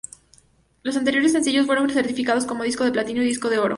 Los anteriores sencillos, fueron certificados como disco de platino y disco de oro.